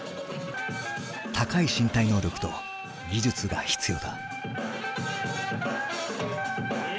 高い身体能力と技術が必要だ。